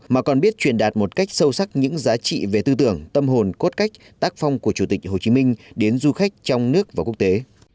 mà còn biết truyền đạt một cách sâu sắc những giá trị về tư tưởng tâm hồn cốt cách tác phong của chủ tịch hồ chí minh đến du khách trong nước và quốc tế